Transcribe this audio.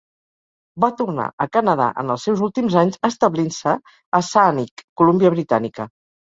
Va tornar a Canadà en els seus últims anys, establint-se a Saanich, Colúmbia Britànica.